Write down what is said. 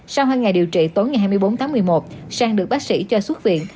sau hai ngày điều trị tối ngày hai mươi bốn tháng một mươi một sang được bác sĩ cho xuất viện